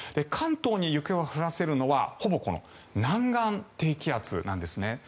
関東に雪を降らせるのはほぼこの南岸低気圧なんです。